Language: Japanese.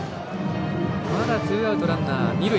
まだ、ツーアウトランナー、二塁。